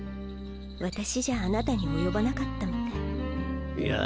私じゃあなたに及ばなかったみたい。